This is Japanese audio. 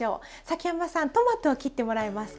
崎山さんトマトを切ってもらえますか。